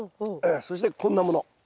そしてこんなもの。